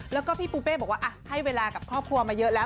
แล้วก็พี่ปุ้เปให้เวลากับครอบครัวมาเยอะแล้ว